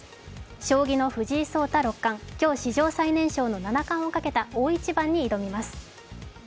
将棋の藤井聡太六冠、今日史上最年少の七冠をかけた大一番に挑みます。